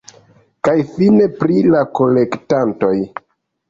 Kaj fine pri la kolektantoj.